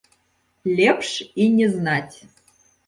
Лепш і не знаць.